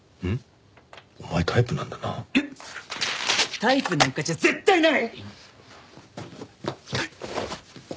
タイプなんかじゃ絶対ない！